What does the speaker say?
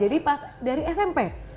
jadi pas dari smp